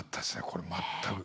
これ全く。